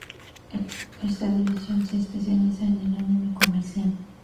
Esta división se especializa en el anime comercial.